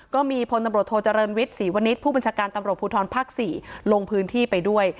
ก็มีพลตำรวจโทเจริญวิทย์ศรีวณิชย์ผู้บัญชาการตำรวจภูทรภาค๔ลงพื้นที่ไปด้วย